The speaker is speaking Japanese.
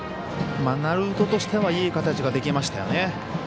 鳴門としてはいい形ができましたよね。